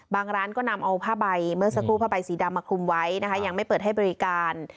ร้านก็นำเอาผ้าใบเมื่อสักครู่ผ้าใบสีดำมาคลุมไว้นะคะยังไม่เปิดให้บริการ